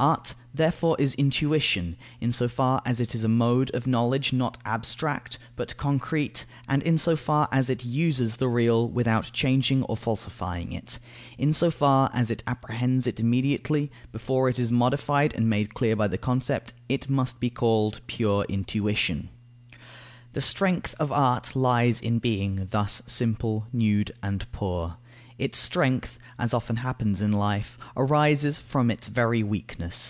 Art therefore is intuition, in so far as it is a mode of knowledge, not abstract, but concrete, and in so far as it uses the real, without changing or falsifying it. In so far as it apprehends it immediately, before it is modified and made clear by the concept, it must be called pure intuition. The strength of art lies in being thus simple, nude, and poor. Its strength (as often happens in life) arises from its very weakness.